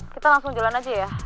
kita langsung jalan aja ya